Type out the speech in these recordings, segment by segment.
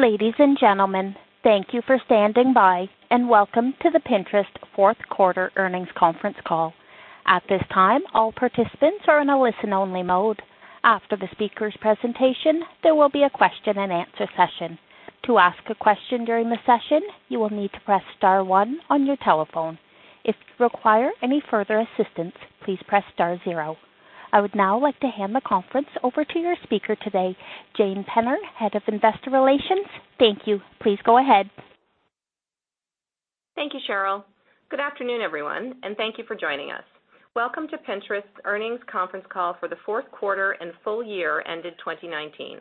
Ladies and gentlemen, thank you for standing by, and welcome to the Pinterest fourth quarter earnings conference call. At this time, all participants are in a listen-only mode. After the speaker's presentation, there will be a question and answer session. To ask a question during the session, you will need to press star one on your telephone. If you require any further assistance, please press star zero. I would now like to hand the conference over to your speaker today, Jane Penner, Head of Investor Relations. Thank you. Please go ahead. Thank you, Cheryl. Good afternoon, everyone, and thank you for joining us. Welcome to Pinterest's earnings conference call for the fourth quarter and full year ended 2019.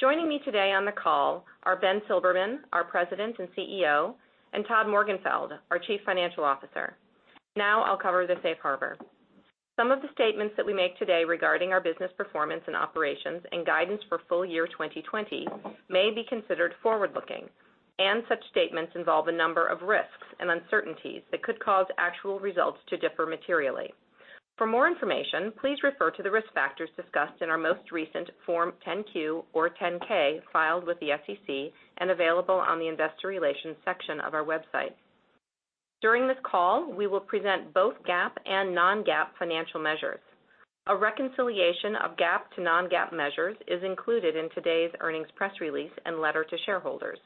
Joining me today on the call are Ben Silbermann, our President and CEO, and Todd Morgenfeld, our Chief Financial Officer. I'll cover the safe harbor. Some of the statements that we make today regarding our business performance and operations and guidance for full year 2020 may be considered forward-looking, and such statements involve a number of risks and uncertainties that could cause actual results to differ materially. For more information, please refer to the risk factors discussed in our most recent Form 10-Q or 10-K filed with the SEC and available on the Investor Relations section of our website. During this call, we will present both GAAP and non-GAAP financial measures. A reconciliation of GAAP to non-GAAP measures is included in today's earnings press release and letter to shareholders,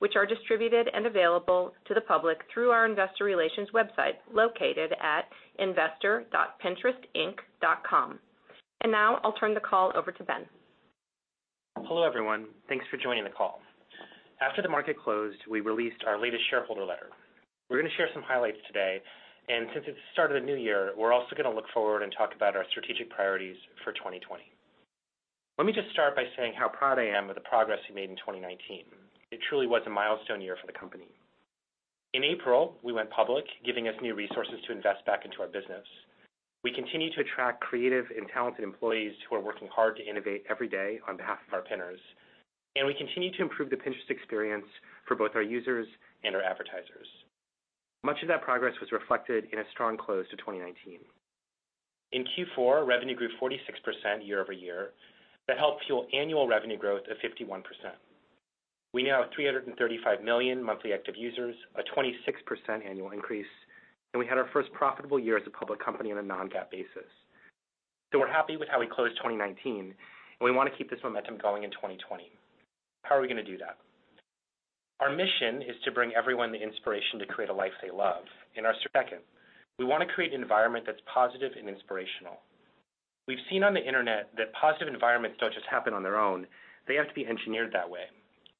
which are distributed and available to the public through our Investor Relations website located at investor.pinterestinc.com. Now I'll turn the call over to Ben. Hello, everyone. Thanks for joining the call. After the market closed, we released our latest shareholder letter. We're going to share some highlights today, and since it's the start of the new year, we're also going to look forward and talk about our strategic priorities for 2020. Let me just start by saying how proud I am of the progress we made in 2019. It truly was a milestone year for the company. In April, we went public, giving us new resources to invest back into our business. We continue to attract creative and talented employees who are working hard to innovate every day on behalf of our Pinners, and we continue to improve the Pinterest experience for both our users and our advertisers. Much of that progress was reflected in a strong close to 2019. In Q4, revenue grew 46% year-over-year. That helped fuel annual revenue growth of 51%. We now have 335 million monthly active users, a 26% annual increase, and we had our first profitable year as a public company on a non-GAAP basis. We're happy with how we closed 2019, and we want to keep this momentum going in 2020. How are we going to do that? Our mission is to bring everyone the inspiration to create a life they love. Our second, we want to create an environment that's positive and inspirational. We've seen on the internet that positive environments don't just happen on their own. They have to be engineered that way.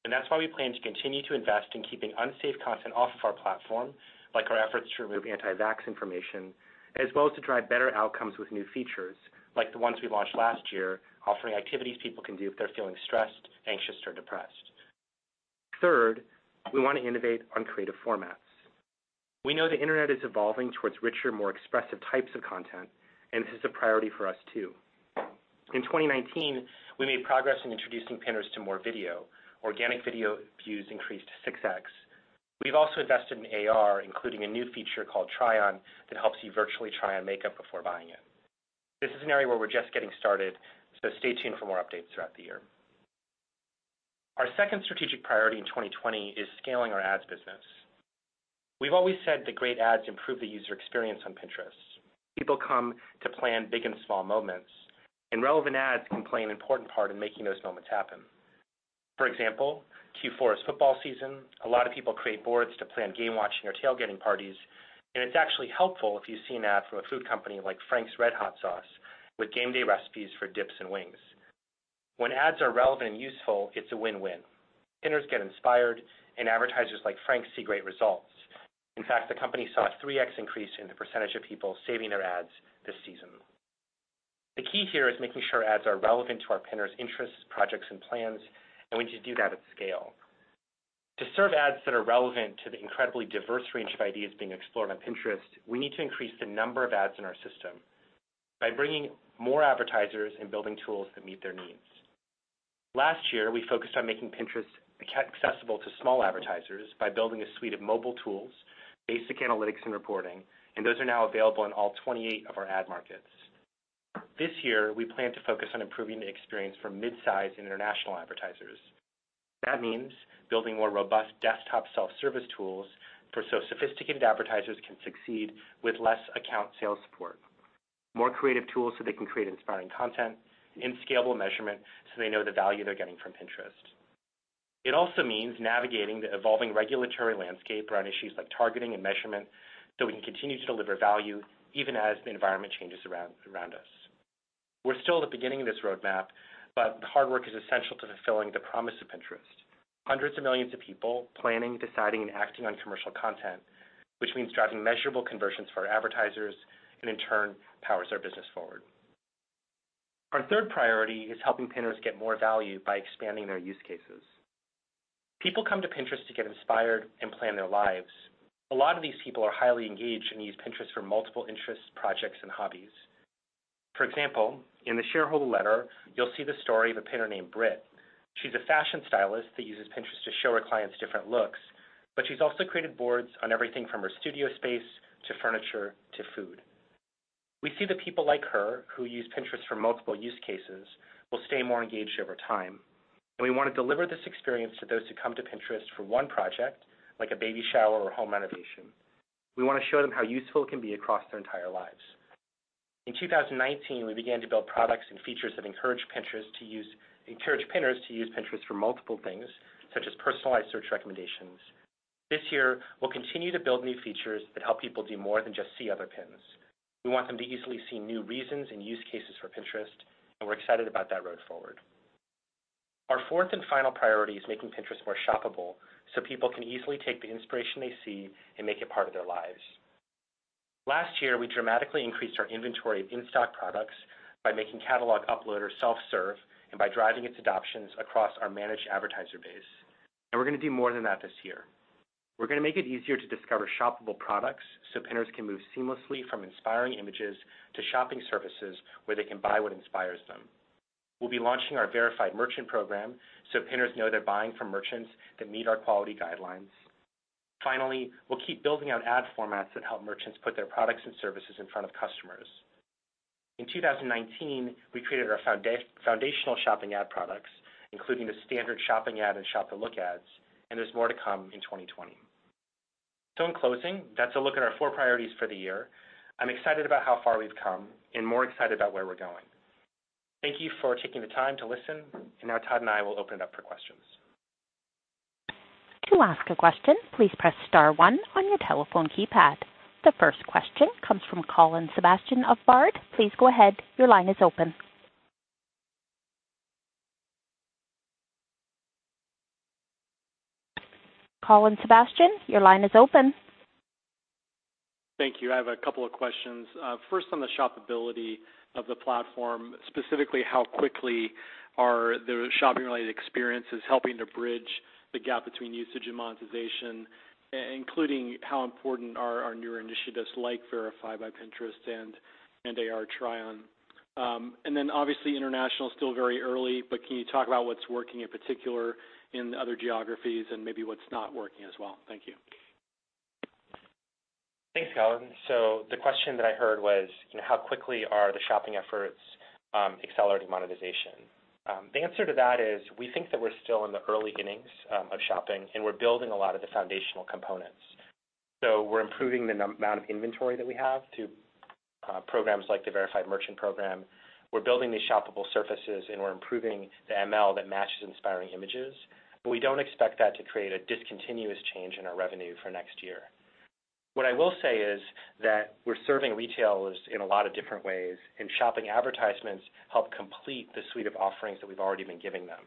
That's why we plan to continue to invest in keeping unsafe content off of our platform, like our efforts to remove anti-vaccination information, as well as to drive better outcomes with new features, like the ones we launched last year, offering activities people can do if they're feeling stressed, anxious, or depressed. Third, we want to innovate on creative formats. We know the internet is evolving towards richer, more expressive types of content, and this is a priority for us, too. In 2019, we made progress in introducing pinners to more video. Organic video views increased 6x. We've also invested in AR, including a new feature called Try On that helps you virtually try on makeup before buying it. This is an area where we're just getting started, so stay tuned for more updates throughout the year. Our second strategic priority in 2020 is scaling our ads business. We've always said that great ads improve the user experience on Pinterest. People come to plan big and small moments, and relevant ads can play an important part in making those moments happen. For example, Q4 is football season. A lot of people create boards to plan game watching or tailgating parties, and it's actually helpful if you see an ad from a food company like Frank's RedHot sauce with game day recipes for dips and wings. When ads are relevant and useful, it's a win-win. Pinners get inspired, and advertisers like Frank's see great results. In fact, the company saw a 3X increase in the percentage of people saving their ads this season. The key here is making sure ads are relevant to our Pinners' interests, projects, and plans, and we need to do that at scale. To serve ads that are relevant to the incredibly diverse range of ideas being explored on Pinterest, we need to increase the number of ads in our system by bringing more advertisers and building tools that meet their needs. Last year, we focused on making Pinterest accessible to small advertisers by building a suite of mobile tools, basic analytics, and reporting, and those are now available in all 28 of our ad markets. This year, we plan to focus on improving the experience for midsize and international advertisers. That means building more robust desktop self-service tools, so sophisticated advertisers can succeed with less account sales support. More creative tools so they can create inspiring content and scalable measurement so they know the value they're getting from Pinterest. It also means navigating the evolving regulatory landscape around issues like targeting and measurement so we can continue to deliver value even as the environment changes around us. We're still at the beginning of this roadmap, the hard work is essential to fulfilling the promise of Pinterest. Hundreds of millions of people planning, deciding, and acting on commercial content, which means driving measurable conversions for our advertisers and in turn powers our business forward. Our third priority is helping Pinners get more value by expanding their use cases. People come to Pinterest to get inspired and plan their lives. A lot of these people are highly engaged and use Pinterest for multiple interests, projects, and hobbies. For example, in the shareholder letter, you'll see the story of a Pinner named Britt. She's a fashion stylist that uses Pinterest to show her clients different looks, but she's also created boards on everything from her studio space to furniture to food. We see that people like her, who use Pinterest for multiple use cases, will stay more engaged over time, and we want to deliver this experience to those who come to Pinterest for one project, like a baby shower or home renovation. We want to show them how useful it can be across their entire lives. In 2019, we began to build products and features that encourage Pinners to use Pinterest for multiple things, such as personalized search recommendations. This year, we'll continue to build new features that help people do more than just see other pins. We want them to easily see new reasons and use cases for Pinterest, and we're excited about that road forward. Our fourth and final priority is making Pinterest more shoppable so people can easily take the inspiration they see and make it part of their lives. Last year, we dramatically increased our inventory of in-stock products by making Catalogs uploaders self-serve and by driving its adoption across our managed advertiser base. We're going to do more than that this year. We're going to make it easier to discover shoppable products so Pinners can move seamlessly from inspiring images to shopping services where they can buy what inspires them. We'll be launching our Verified Merchant Program so Pinners know they're buying from merchants that meet our quality guidelines. Finally, we'll keep building out ad formats that help merchants put their products and services in front of customers. In 2019, we created our foundational shopping ad products, including the standard Shopping Ad and Shop the Look Ads. There's more to come in 2020. In closing, that's a look at our four priorities for the year. I'm excited about how far we've come and more excited about where we're going. Thank you for taking the time to listen. Now Todd and I will open it up for questions. To ask a question, please press star one on your telephone keypad. The first question comes from Colin Sebastian of Baird. Please go ahead. Your line is open. Colin Sebastian, your line is open. Thank you. I have a couple of questions. First, on the shoppability of the platform, specifically how quickly are the shopping-related experiences helping to bridge the gap between usage and monetization, including how important are our newer initiatives like Verified Merchant Program and AR Try On? Obviously international is still very early, but can you talk about what's working in particular in the other geographies and maybe what's not working as well? Thank you. Thanks, Colin. The question that I heard was how quickly are the shopping efforts accelerating monetization? The answer to that is we think that we're still in the early innings of shopping, and we're building a lot of the foundational components. We're improving the amount of inventory that we have through programs like the Verified Merchant Program. We're building these shoppable surfaces, and we're improving the ML that matches inspiring images. We don't expect that to create a discontinuous change in our revenue for next year. What I will say is that we're serving retailers in a lot of different ways, and shopping advertisements help complete the suite of offerings that we've already been giving them.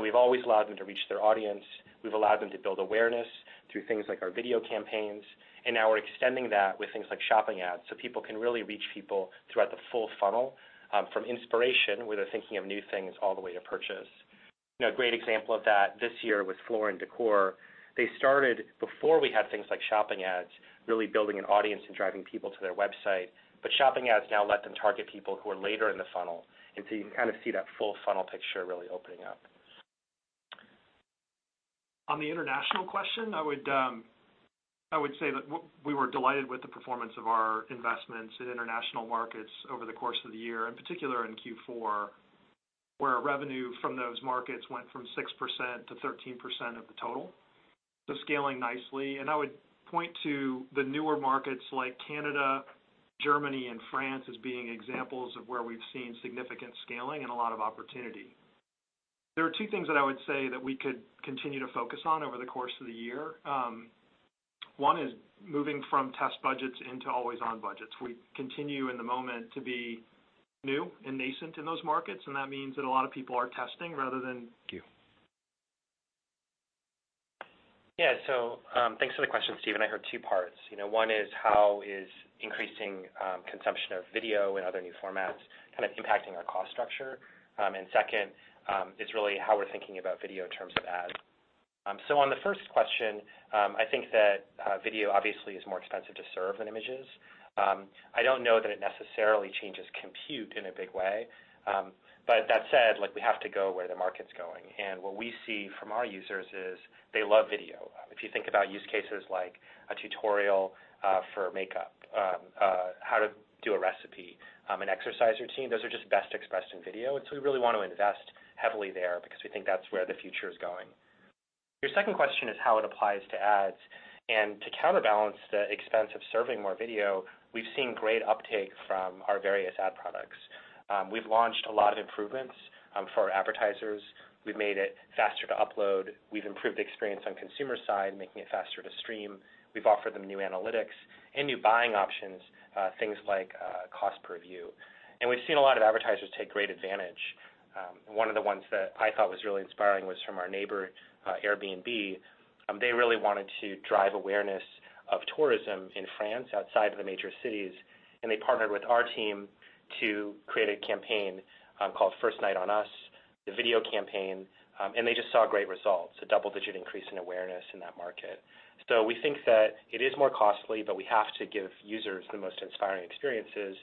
We've always allowed them to reach their audience. We've allowed them to build awareness through things like our video campaigns, and now we're extending that with things like Shopping Ads so people can really reach people throughout the full funnel, from inspiration, where they're thinking of new things, all the way to purchase. A great example of that this year was Floor & Decor. They started before we had things like Shopping Ads, really building an audience and driving people to their website. Shopping Ads now let them target people who are later in the funnel and so you can kind of see that full funnel picture really opening up. On the international question, I would say that we were delighted with the performance of our investments in international markets over the course of the year, in particular in Q4, where our revenue from those markets went from 6% to 13% of the total. Scaling nicely. I would point to the newer markets like Canada, Germany, and France as being examples of where we've seen significant scaling and a lot of opportunity. There are two things that I would say that we could continue to focus on over the course of the year. One is moving from test budgets into always-on budgets. We continue in the moment to be new and nascent in those markets, that means that a lot of people are testing. Thanks for the question, Stephen Ju. I heard two parts. One is how is increasing consumption of video and other new formats kind of impacting our cost structure? Second is really how we're thinking about video in terms of ads. On the first question, I think that video obviously is more expensive to serve than images. I don't know that it necessarily changes compute in a big way. That said, we have to go where the market's going. What we see from our users is they love video. If you think about use cases like a tutorial for makeup, how to do a recipe, an exercise routine, those are just best expressed in video. We really want to invest heavily there because we think that's where the future is going. Your second question is how it applies to ads. To counterbalance the expense of serving more video, we've seen great uptake from our various ad products. We've launched a lot of improvements for our advertisers. We've made it faster to upload. We've improved the experience on consumer side, making it faster to stream. We've offered them new analytics and new buying options, things like cost per view. We've seen a lot of advertisers take great advantage. One of the ones that I thought was really inspiring was from our neighbor, Airbnb. They really wanted to drive awareness of tourism in France outside of the major cities, and they partnered with our team to create a campaign called First Night On Us, the video campaign, and they just saw great results, a double-digit increase in awareness in that market. We think that it is more costly, but we have to give users the most inspiring experiences.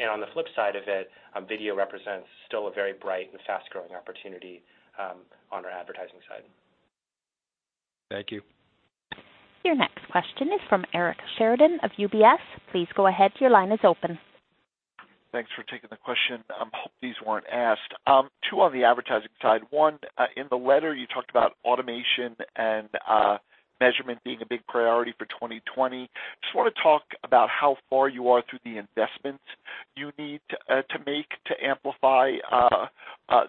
On the flip side of it, video represents still a very bright and fast-growing opportunity on our advertising side. Thank you. Your next question is from Eric Sheridan of UBS. Please go ahead. Your line is open. Thanks for taking the question. I hope these weren't asked. Two on the advertising side. One, in the letter you talked about automation and measurement being a big priority for 2020. Just want to talk about how far you are through the investments you need to make to amplify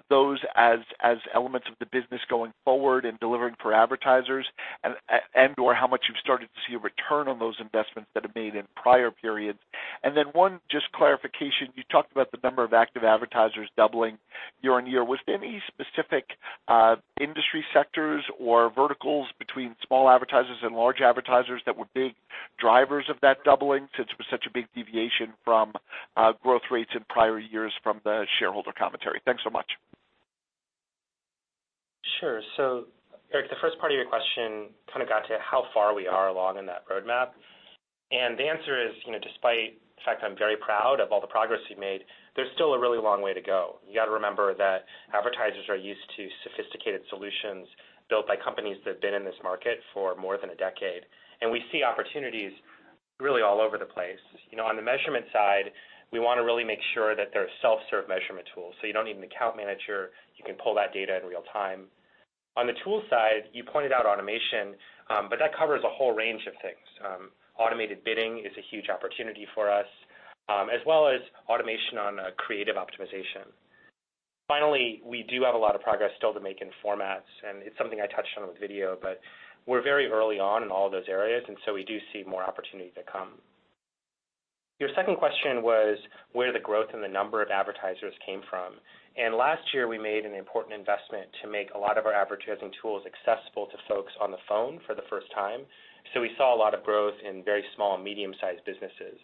those as elements of the business going forward and delivering for advertisers and/or how much you've started to see a return on those investments that are made in prior periods. Then one just clarification. You talked about the number of active advertisers doubling year-on-year. Was there any specific industry sectors or verticals between small advertisers and large advertisers that were big drivers of that doubling since it was such a big deviation from growth rates in prior years from the shareholder commentary? Thanks so much. Sure. Eric, the first part of your question kind of got to how far we are along in that roadmap. The answer is, despite the fact I'm very proud of all the progress we've made, there's still a really long way to go. You got to remember that advertisers are used to sophisticated solutions built by companies that have been in this market for more than a decade, and we see opportunities really all over the place. On the measurement side, we want to really make sure that there are self-serve measurement tools, so you don't need an account manager. You can pull that data in real time. On the tool side, you pointed out automation, but that covers a whole range of things. Automated bidding is a huge opportunity for us, as well as automation on creative optimization. Finally, we do have a lot of progress still to make in formats. It's something I touched on with video. We're very early on in all of those areas. We do see more opportunity to come. Your second question was where the growth in the number of advertisers came from. Last year, we made an important investment to make a lot of our advertising tools accessible to folks on the phone for the first time. We saw a lot of growth in very small and medium-sized businesses.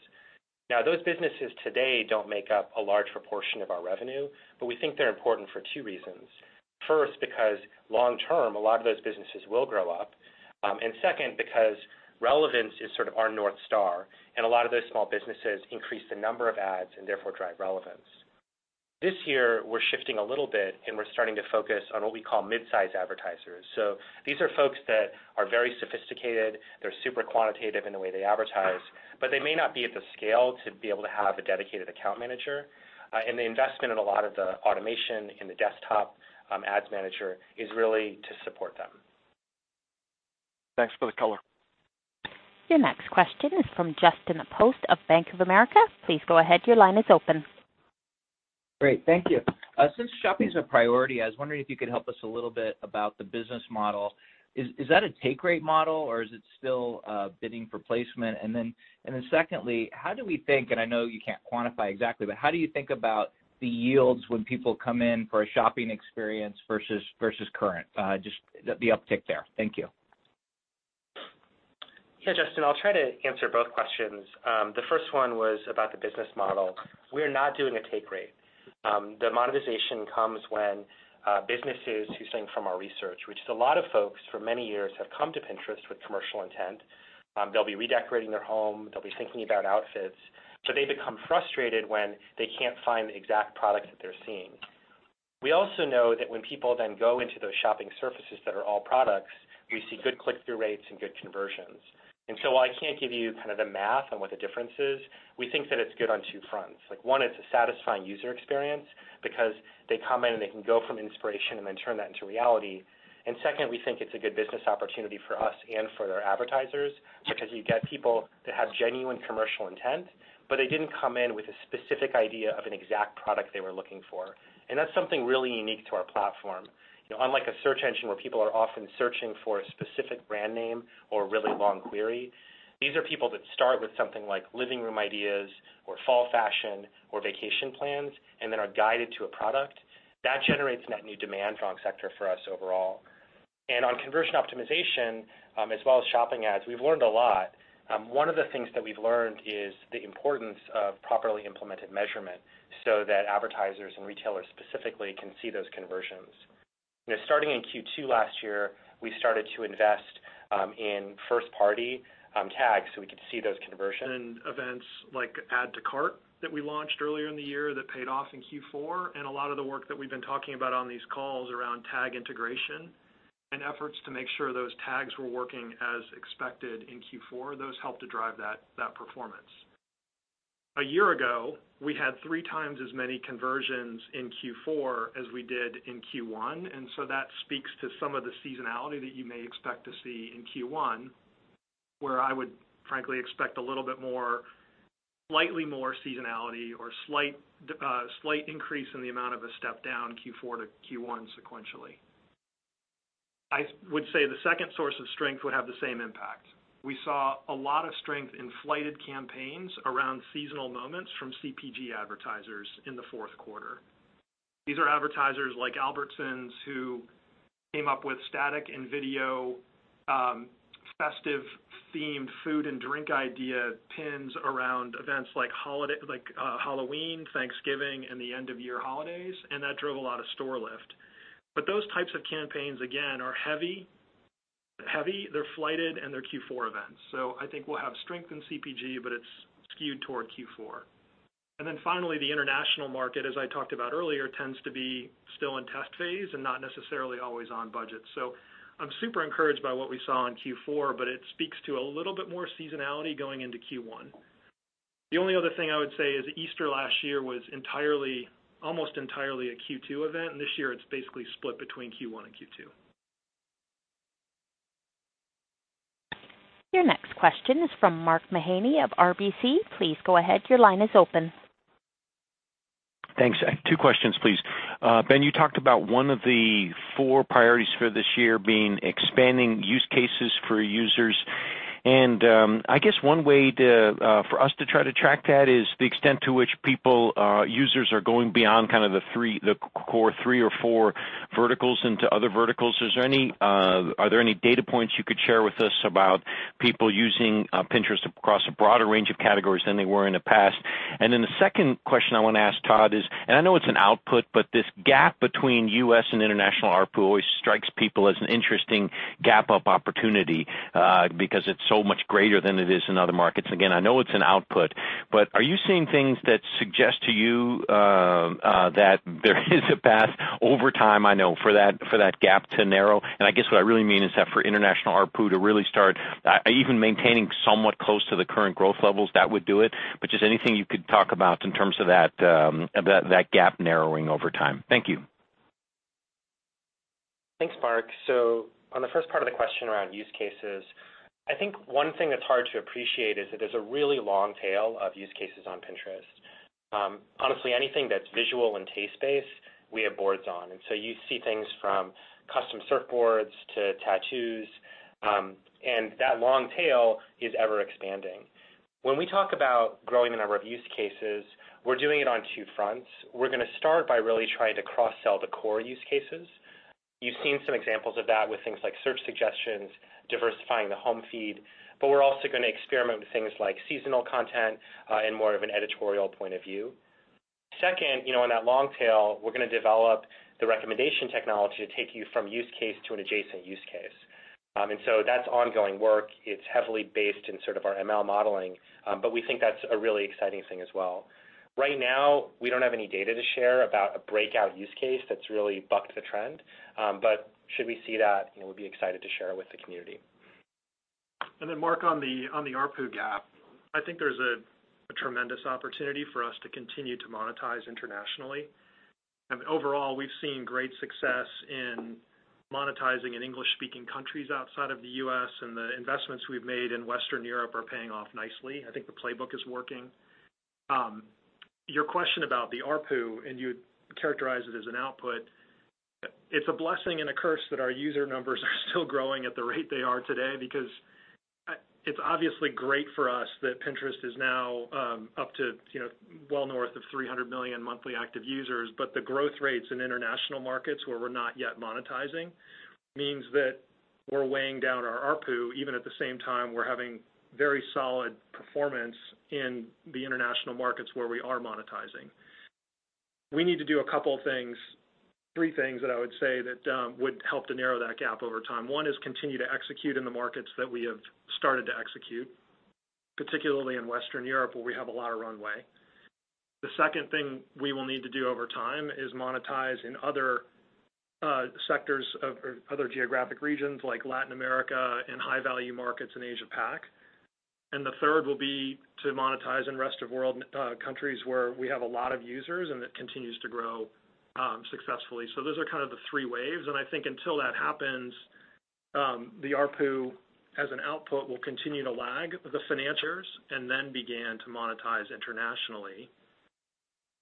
Now, those businesses today don't make up a large proportion of our revenue, but we think they're important for two reasons. First, because long-term, a lot of those businesses will grow up. Second, because relevance is sort of our North Star, and a lot of those small businesses increase the number of ads, and therefore drive relevance. This year, we're shifting a little bit, and we're starting to focus on what we call mid-sized advertisers. So these are folks that are very sophisticated. They're super quantitative in the way they advertise, but they may not be at the scale to be able to have a dedicated account manager. And they invest in a lot of the automation in the desktop, ads manager is really to support them. Thanks for the color. Your next question is from Justin Post of Bank of America. Please go ahead. Your line is open. Great. Thank you. Since shopping's a priority, I was wondering if you could help us a little bit about the business model. Is that a take rate model or is it still bidding for placement? Secondly, how do we think, and I know you can't quantify exactly, but how do you think about the yields when people come in for a shopping experience versus current? Just the uptick there. Thank you. Justin, I'll try to answer both questions. The first one was about the business model. We are not doing a take rate. The monetization comes when businesses who, seeing from our research, which is a lot of folks for many years have come to Pinterest with commercial intent. They'll be redecorating their home. They'll be thinking about outfits. They become frustrated when they can't find the exact product that they're seeing. We also know that when people then go into those shopping surfaces that are all products, we see good click-through rates and good conversions. While I can't give you kind of the math on what the difference is, we think that it's good on two fronts. One, it's a satisfying user experience because they come in and they can go from inspiration and then turn that into reality. Second, we think it's a good business opportunity for us and for our advertisers because you get people that have genuine commercial intent, but they didn't come in with a specific idea of an exact product they were looking for. That's something really unique to our platform. Unlike a search engine where people are often searching for a specific brand name or a really long query, these are people that start with something like living room ideas or fall fashion or vacation plans and then are guided to a product. That generates net-new demand from a strong sector for us overall. On conversion optimization, as well as Shopping Ads, we've learned a lot. One of the things that we've learned is the importance of properly implemented measurement so that advertisers and retailers specifically can see those conversions. Starting in Q2 last year, we started to invest in first-party tags so we could see those conversions. Events like Add to Cart that we launched earlier in the year that paid off in Q4, and a lot of the work that we've been talking about on these calls around tag integration and efforts to make sure those tags were working as expected in Q4, those helped to drive that performance. A year ago, we had 3x as many conversions in Q4 as we did in Q1. That speaks to some of the seasonality that you may expect to see in Q1, where I would frankly expect a little bit more, slightly more seasonality or slight increase in the amount of a step down Q4 to Q1 sequentially. I would say the second source of strength would have the same impact. We saw a lot of strength in flighted campaigns around seasonal moments from CPG advertisers in the fourth quarter. These are advertisers like Albertsons who came up with static and video festive-themed food and drink idea pins around events like Halloween, Thanksgiving, and the end-of-year holidays, that drove a lot of store lift. Those types of campaigns, again, are heavy. They're flighted, and they're Q4 events. I think we'll have strength in CPG, but it's skewed toward Q4. Finally, the international market, as I talked about earlier, tends to be still in test phase and not necessarily always-on budget. I'm super encouraged by what we saw in Q4, but it speaks to a little bit more seasonality going into Q1. The only other thing I would say is Easter last year was almost entirely a Q2 event, and this year it's basically split between Q1 and Q2. Your next question is from Mark Mahaney of RBC. Please go ahead. Your line is open. Thanks. Two questions, please. Ben, you talked about one of the four priorities for this year being expanding use cases for users. I guess one way for us to try to track that is the extent to which people, users are going beyond kind of the core three or four verticals into other verticals. Are there any data points you could share with us about people using Pinterest across a broader range of categories than they were in the past? The second question I want to ask Todd is, I know it's an output, but this gap between U.S. and international ARPU always strikes people as an interesting gap-up opportunity because it's so much greater than it is in other markets. Again, I know it's an output, but are you seeing things that suggest to you that there is a path over time, I know, for that gap to narrow? I guess what I really mean is that for international ARPU to really start even maintaining somewhat close to the current growth levels, that would do it. Just anything you could talk about in terms of that gap narrowing over time. Thank you. Thanks, Mark. On the first part of the question around use cases, I think one thing that's hard to appreciate is that there's a really long tail of use cases on Pinterest. Honestly, anything that's visual and taste-based, we have boards on. You see things from custom surfboards to tattoos, and that long tail is ever-expanding. When we talk about growing the number of use cases, we're doing it on two fronts. We're going to start by really trying to cross-sell the core use cases. You've seen some examples of that with things like search suggestions, diversifying the home feed, but we're also going to experiment with things like seasonal content and more of an editorial point of view. Second, in that long tail, we're going to develop the recommendation technology to take you from use case to an adjacent use case. That's ongoing work. It's heavily based in sort of our ML modeling, but we think that's a really exciting thing as well. Right now, we don't have any data to share about a breakout use case that's really bucked the trend. Should we see that, we'll be excited to share it with the community. Mark, on the ARPU gap, I think there's a tremendous opportunity for us to continue to monetize internationally. Overall, we've seen great success in monetizing in English-speaking countries outside of the U.S., and the investments we've made in Western Europe are paying off nicely. I think the playbook is working. Your question about the ARPU, and you characterized it as an output. It's a blessing and a curse that our user numbers are still growing at the rate they are today because it's obviously great for us that Pinterest is now up to well-north of 300 million monthly active users. The growth rates in international markets where we're not yet monetizing means that we're weighing down our ARPU, even at the same time, we're having very solid performance in the international markets where we are monetizing. We need to do a couple of things, three things that I would say that would help to narrow that gap over time. One is continue to execute in the markets that we have started to execute, particularly in Western Europe, where we have a lot of runway. The second thing we will need to do over time is monetize in other sectors of other geographic regions like Latin America and high-value markets in Asia-Pacific. And the third will be to monetize in rest-of-world countries where we have a lot of users and it continues to grow successfully. Those are kind of the three waves, and I think until that happens, the ARPU as an output will continue to lag the financials and then begin to monetize internationally.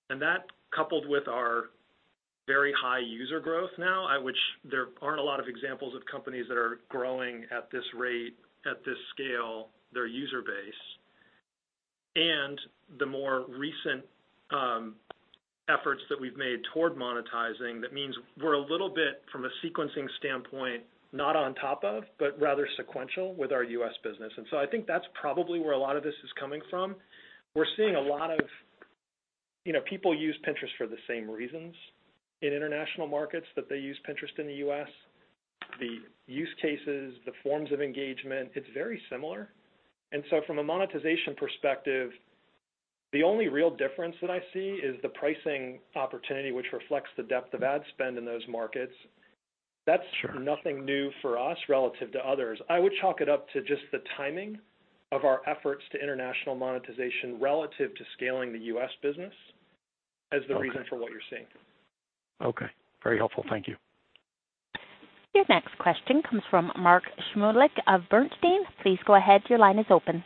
That, coupled with our very high user growth now, which there aren't a lot of examples of companies that are growing at this rate, at this scale, their user base, and the more recent efforts that we've made toward monetizing, that means we're a little bit, from a sequencing standpoint, not on top of, but rather sequential with our U.S. business. I think that's probably where a lot of this is coming from. We're seeing a lot of people use Pinterest for the same reasons in international markets that they use Pinterest in the U.S. The use cases, the forms of engagement, it's very similar. From a monetization perspective, the only real difference that I see is the pricing opportunity, which reflects the depth of ad spend in those markets. That's nothing new for us relative to others. I would chalk it up to just the timing of our efforts to international monetization relative to scaling the U.S. business as the reason for what you're seeing. Okay. Very helpful. Thank you. Your next question comes from Mark Shmulik of Bernstein. Please go ahead. Your line is open.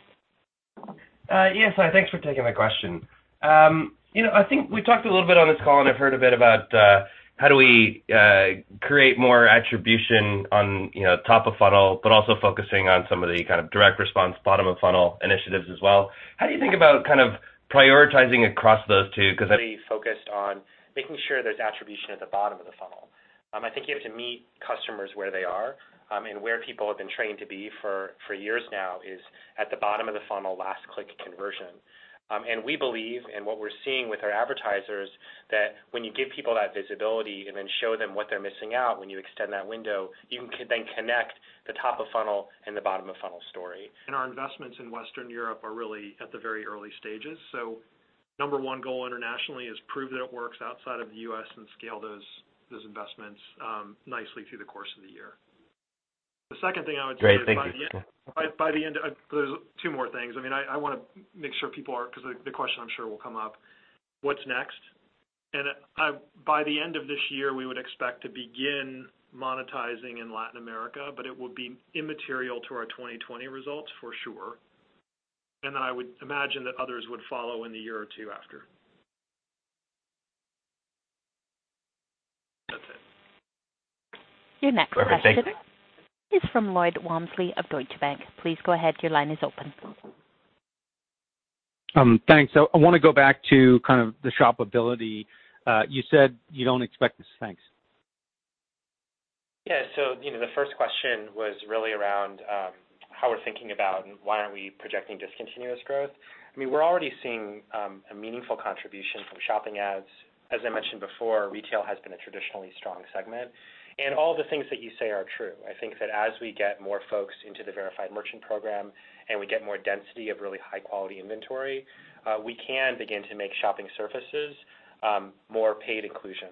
Yes. Thanks for taking my question. I think we talked a little bit on this call. I've heard a bit about how do we create more attribution on top of funnel, also focusing on some of the kind of direct response bottom-of-funnel initiatives as well. How do you think about kind of prioritizing across those two? Really focused on making sure there's attribution at the bottom of the funnel. I think you have to meet customers where they are and where people have been trained to be for years now is at the bottom of the funnel, last-click conversion. We believe, and what we're seeing with our advertisers, that when you give people that visibility and then show them what they're missing out when you extend that window, you can then connect the top-of-funnel and the bottom-of-funnel story. Our investments in Western Europe are really at the very early stages. Number one goal internationally is prove that it works outside of the U.S. and scale those investments nicely through the course of the year. The second thing I would say is. Great. Thank you. By the end, there's two more things. I want to make sure people are, because the question I'm sure will come up, what's next? By the end of this year, we would expect to begin monetizing in Latin America, but it will be immaterial to our 2020 results, for sure. I would imagine that others would follow in the year or two after. That's it. Perfect. Thank you. Your next question is from Lloyd Walmsley of Deutsche Bank. Please go ahead. Your line is open. Thanks. I want to go back to kind of the shoppability. You said you don't expect this. Thanks. Yeah. The first question was really around how we're thinking about and why aren't we projecting discontinuous growth. We're already seeing a meaningful contribution from Shopping Ads. As I mentioned before, retail has been a traditionally strong segment. All the things that you say are true. I think that as we get more folks into the Verified Merchant Program and we get more density of really high-quality inventory, we can begin to make shopping surfaces more paid inclusion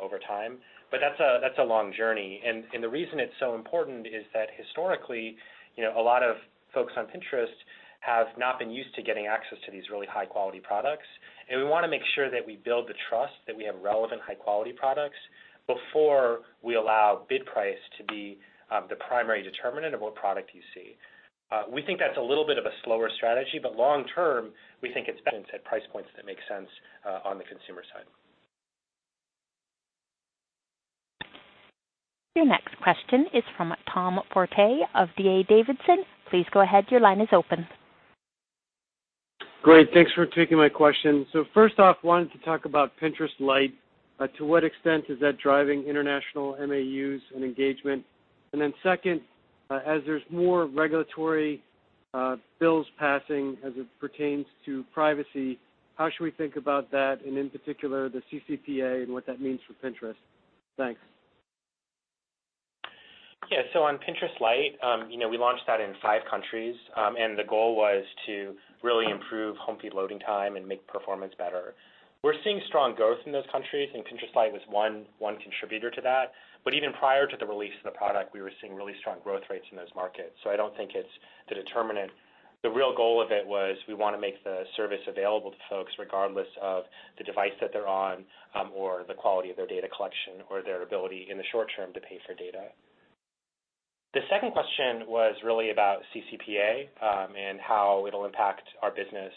over time. That's a long journey. The reason it's so important is that historically, a lot of folks on Pinterest have not been used to getting access to these really high-quality products. We want to make sure that we build the trust that we have relevant high-quality products before we allow bid price to be the primary determinant of what product you see. We think that's a little bit of a slower strategy, but long term, we think it's been set price points that make sense on the consumer side. Your next question is from Tom Forte of D.A. Davidson. Please go ahead. Your line is open. Great. Thanks for taking my question. First off, wanted to talk about Pinterest Lite. To what extent is that driving international MAUs and engagement? Second, as there's more regulatory bills passing as it pertains to privacy, how should we think about that and, in particular, the CCPA and what that means for Pinterest? Thanks. Yeah. On Pinterest Lite, we launched that in five countries. The goal was to really improve home feed loading time and make performance better. We're seeing strong growth in those countries, and Pinterest Lite is one contributor to that. Even prior to the release of the product, we were seeing really strong growth rates in those markets. I don't think it's the determinant. The real goal of it was we want to make the service available to folks regardless of the device that they're on or the quality of their data collection or their ability in the short-term to pay for data. The second question was really about CCPA, and how it'll impact our business.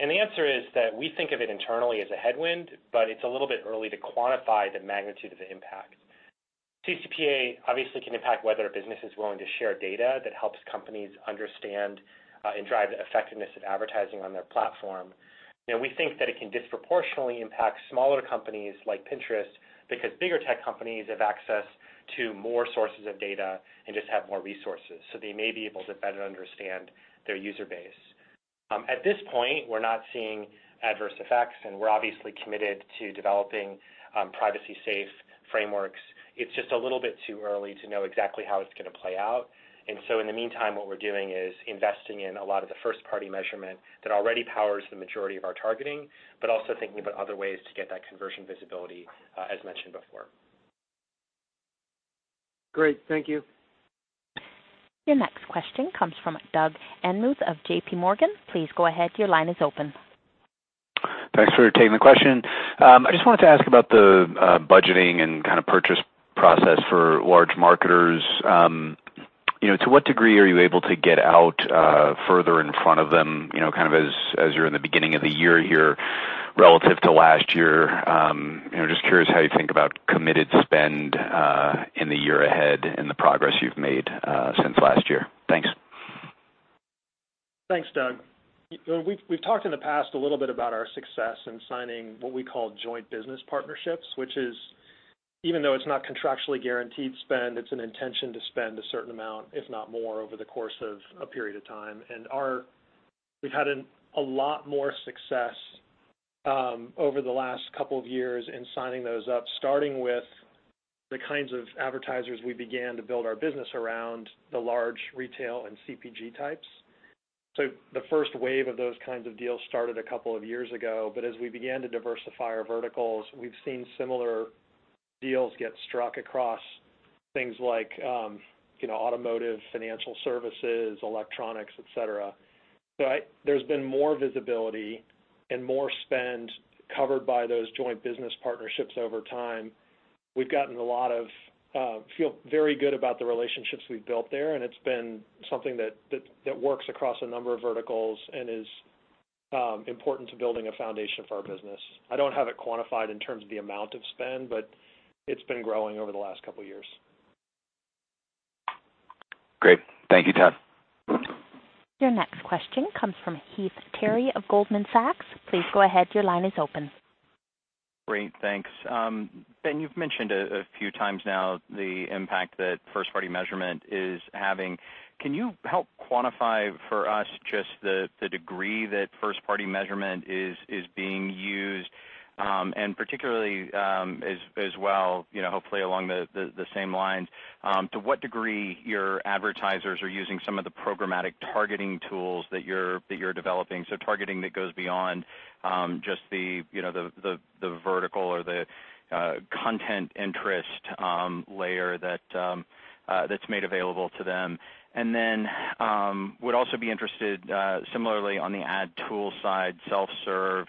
The answer is that we think of it internally as a headwind, but it's a little bit early to quantify the magnitude of the impact. CCPA obviously can impact whether a business is willing to share data that helps companies understand and drive the effectiveness of advertising on their platform. We think that it can disproportionately impact smaller companies like Pinterest because bigger tech companies have access to more sources of data and just have more resources, so they may be able to better understand their user base. At this point, we're not seeing adverse effects, and we're obviously committed to developing privacy safe frameworks. It's just a little bit too early to know exactly how it's going to play out. In the meantime, what we're doing is investing in a lot of the first-party measurement that already powers the majority of our targeting, but also thinking about other ways to get that conversion visibility as mentioned before. Great. Thank you. Your next question comes from Doug Anmuth of JPMorgan. Please go ahead. Your line is open. Thanks for taking the question. I just wanted to ask about the budgeting and kind of purchase process for large marketers. To what degree are you able to get out further in front of them, kind of as you're in the beginning of the year here relative to last year? Just curious how you think about committed spend in the year ahead and the progress you've made since last year. Thanks. Thanks, Doug. We've talked in the past a little bit about our success in signing what we call joint business partnerships, which is, even though it's not contractually guaranteed spend, it's an intention to spend a certain amount, if not more, over the course of a period of time. We've had a lot more success over the last couple of years in signing those up, starting with the kinds of advertisers we began to build our business around the large retail and CPG types. The first wave of those kinds of deals started a couple of years ago, but as we began to diversify our verticals, we've seen similar deals get struck across things like automotive, financial services, electronics, et cetera. There's been more visibility and more spend covered by those joint business partnerships over time. We feel very good about the relationships we've built there, and it's been something that works across a number of verticals and is important to building a foundation for our business. I don't have it quantified in terms of the amount of spend, but it's been growing over the last couple of years. Great. Thank you, Todd. Your next question comes from Heath Terry of Goldman Sachs. Please go ahead. Your line is open. Great. Thanks. Ben, you've mentioned a few times now the impact that first-party measurement is having. Can you help quantify for us just the degree that first-party measurement is being used, and particularly as well, hopefully along the same lines, to what degree your advertisers are using some of the programmatic targeting tools that you're developing? Targeting that goes beyond just the vertical or the content interest layer that's made available to them. I would also be interested similarly on the ad tool side, self-serve,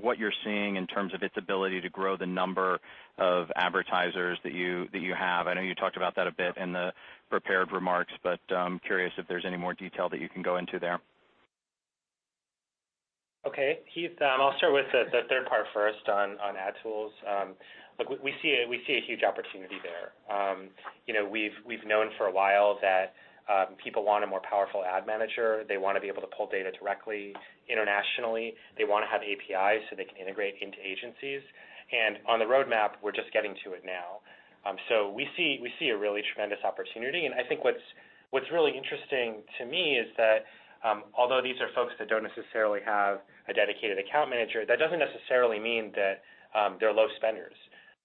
what you're seeing in terms of its ability to grow the number of advertisers that you have? I know you talked about that a bit in the prepared remarks, I'm curious if there's any more detail that you can go into there? Okay. Heath, I'll start with the third part first on ad tools. Look, we see a huge opportunity there. We've known for a while that people want a more powerful ad manager. They want to be able to pull data directly internationally. They want to have APIs so they can integrate into agencies. On the road map, we're just getting to it now. We see a really tremendous opportunity. I think what's really interesting to me is that although these are folks that don't necessarily have a dedicated account manager, that doesn't necessarily mean that they're low spenders.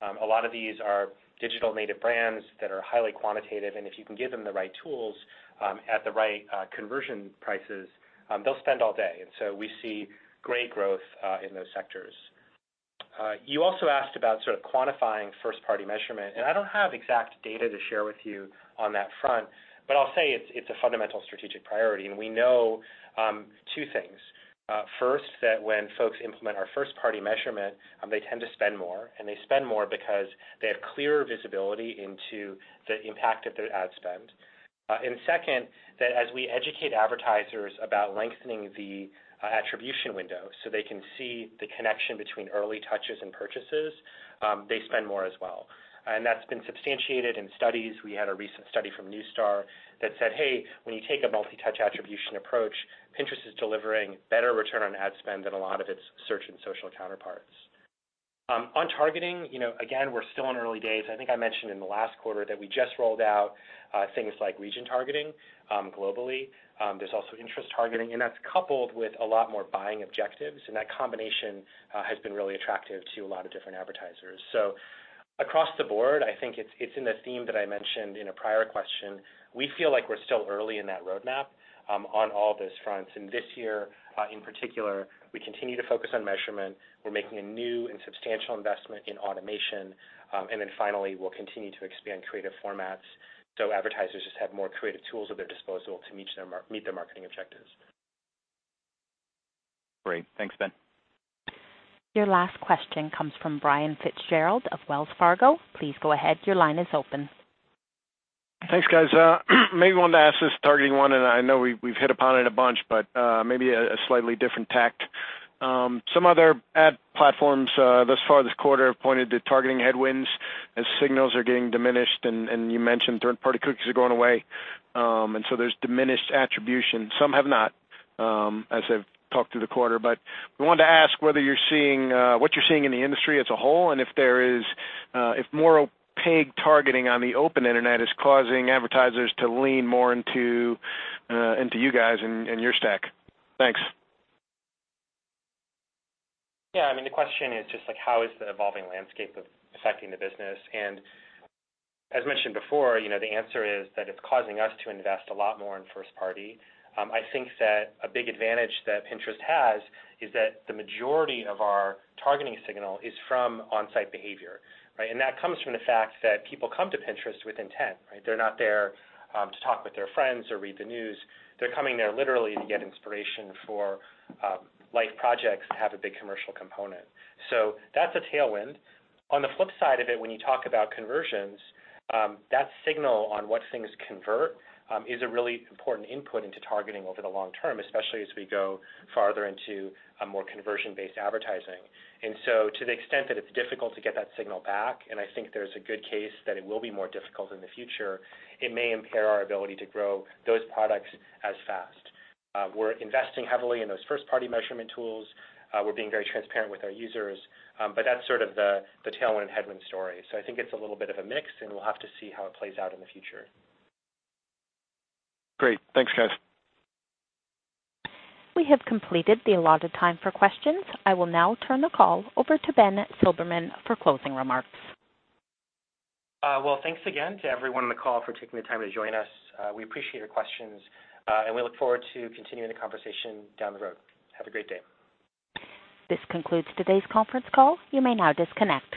A lot of these are digital-native brands that are highly quantitative, and if you can give them the right tools at the right conversion prices, they'll spend all day. We see great growth in those sectors. You also asked about sort of quantifying first-party measurement, and I don't have exact data to share with you on that front, but I'll say it's a fundamental strategic priority, and we know two things. First, that when folks implement our first-party measurement, they tend to spend more, and they spend more because they have clearer visibility into the impact of their ad spend. Second, that as we educate advertisers about lengthening the attribution window so they can see the connection between early touches and purchases, they spend more as well. That's been substantiated in studies. We had a recent study from Neustar that said, "Hey, when you take a multi-touch attribution approach, Pinterest is delivering better return on ad spend than a lot of its search and social counterparts." On targeting, again, we're still in early days. I think I mentioned in the last quarter that we just rolled out things like region targeting globally. There's also interest targeting, and that's coupled with a lot more buying objectives, and that combination has been really attractive to a lot of different advertisers. Across the board, I think it's in the theme that I mentioned in a prior question. We feel like we're still early in that roadmap. This year in particular, we continue to focus on measurement. Finally, we'll continue to expand creative formats so advertisers just have more creative tools at their disposal to meet their marketing objectives. Great. Thanks, Ben. Your last question comes from Brian Fitzgerald of Wells Fargo. Please go ahead. Your line is open. Thanks, guys. Maybe wanted to ask this targeting one, I know we've hit upon it a bunch, but maybe a slightly different tack. Some other ad platforms thus far this quarter have pointed to targeting headwinds as signals are getting diminished, you mentioned third-party cookies are going away. There's diminished attribution. Some have not, as they've talked through the quarter. We wanted to ask what you're seeing in the industry as a whole, and if more opaque targeting on the open internet is causing advertisers to lean more into you guys and your stack. Thanks. Yeah. The question is just how is the evolving landscape affecting the business? As mentioned before, the answer is that it's causing us to invest a lot more in first-party. I think that a big advantage that Pinterest has is that the majority of our targeting signal is from on-site behavior. Right? That comes from the fact that people come to Pinterest with intent. Right? They're not there to talk with their friends or read the news. They're coming there literally to get inspiration for life projects that have a big commercial component. That's a tailwind. On the flip side of it, when you talk about conversions, that signal on what things convert is a really important input into targeting over the long-term, especially as we go farther into a more conversion-based advertising. To the extent that it's difficult to get that signal back, and I think there's a good case that it will be more difficult in the future, it may impair our ability to grow those products as fast. We're investing heavily in those first-party measurement tools. We're being very transparent with our users. That's sort of the tailwind-headwind story. I think it's a little bit of a mix, and we'll have to see how it plays out in the future. Great. Thanks, guys. We have completed the allotted time for questions. I will now turn the call over to Ben Silbermann for closing remarks. Well, thanks again to everyone on the call for taking the time to join us. We appreciate your questions, and we look forward to continuing the conversation down the road. Have a great day. This concludes today's conference call. You may now disconnect.